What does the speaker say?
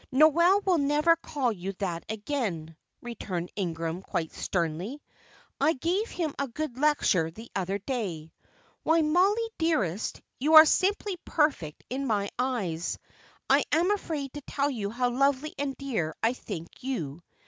'" "Noel will never call you that again," returned Ingram, quite sternly. "I gave him a good lecture the other day. Why, Mollie dearest, you are simply perfect in my eyes. I am afraid to tell you how lovely and dear I think you.